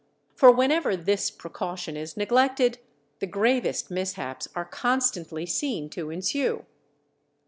For whenever this precaution is neglected the gravest mishaps are constantly seen to ensue.